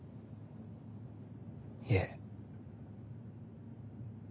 いえ。